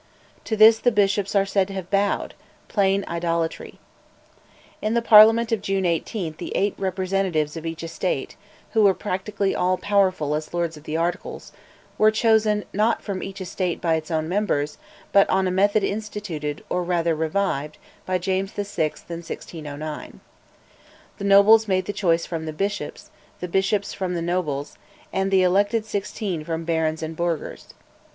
To this the bishops are said to have bowed, plain idolatry. In the Parliament of June 18 the eight representatives of each Estate, who were practically all powerful as Lords of the Articles, were chosen, not from each Estate by its own members, but on a method instituted, or rather revived, by James VI. in 1609. The nobles made the choice from the bishops, the bishops from the nobles, and the elected sixteen from the barons and burghers.